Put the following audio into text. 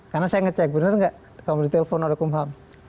karena saya ngecek benar nggak kamu ditelepon oleh kumham